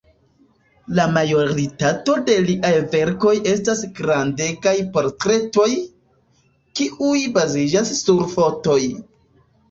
La majoritato de liaj verkoj estas grandegaj portretoj, kiuj baziĝas sur fotoj.